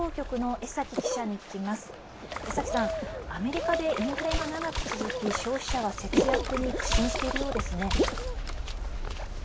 江崎さん、アメリカでインフレが長く続き消費者は節約に苦心しているようですね。